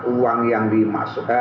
uang yang dimaksud